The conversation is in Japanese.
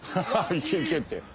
「行け行け」って。